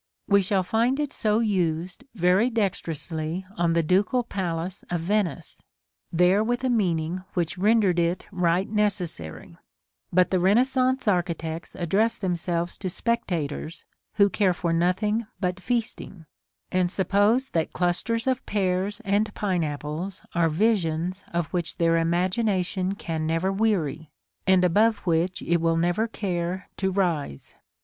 We shall find it so used very dextrously on the Ducal Palace of Venice, there with a meaning which rendered it right necessary; but the Renaissance architects address themselves to spectators who care for nothing but feasting, and suppose that clusters of pears and pineapples are visions of which their imagination can never weary, and above which it will never care to rise.